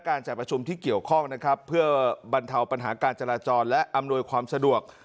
จัดประชุมที่เกี่ยวข้องนะครับเพื่อบรรเทาปัญหาการจราจรและอำนวยความสะดวก